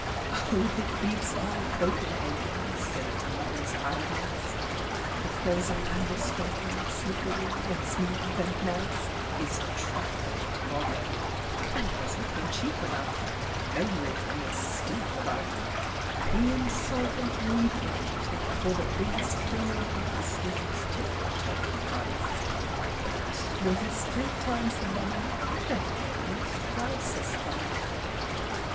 Oh, it beats all "Copenhagen," Silly lovers' paradise! Like the frozen Androscoggin, Slippery, and smooth, and nice, Is the track of the toboggan; And there's nothing cheap about it, Everything is steep about it, The insolvent weep about it, For the biggest thing on ice Is its tip top price; But were this three times the money, Then the game were thrice as funny.